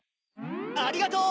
ありがとう！